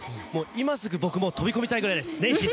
今すぐ僕も飛び込みたいぐらいです。